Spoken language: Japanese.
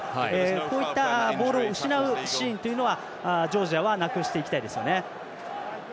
こういったボールを失うシーンというのはジョージア無くしていきたいですよね。